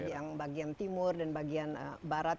yang bagian timur dan bagian barat